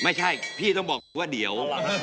ไม่ใช่พี่ต้องบอกว่าเดี๋ยว